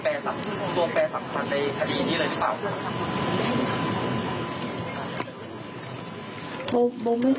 ว่าในการให้การข้อมูลในวันนี้